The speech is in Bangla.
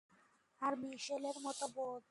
আর মিশেলের মতো বোন।